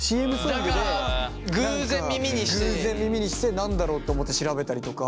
何か偶然耳にして何だろうと思って調べたりとか。